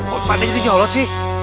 kok pak deh jadi nyolot sih